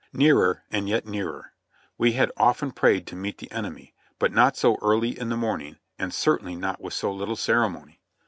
Nearer and yet nearer ! We had often prayed to meet the enemy, but not so early in the morning, and certainly not with so little ceremony.